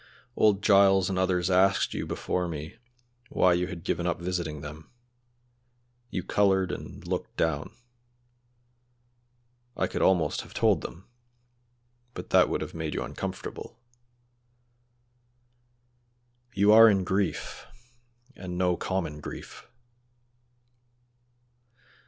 Old Giles and others asked you before me why you had given up visiting them; you colored and looked down. I could almost have told them, but that would have made you uncomfortable. You are in grief, and no common grief."